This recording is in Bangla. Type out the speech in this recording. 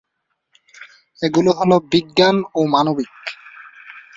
এগুলো হলঃ বিজ্ঞান ও মানবিক।